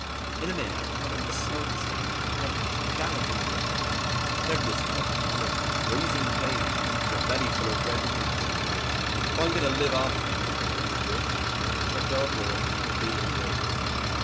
In a minute I haven't the slightest doubt, H will gallop into the compound, tether his colt and come in "raising Cain" for a belly full of red meat.... If I am going to live after all (touch wood) I shall go abroad and be in the open.